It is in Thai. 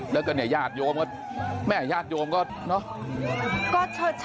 แล้วก็แยาดโยมแม่แยาดโยมก็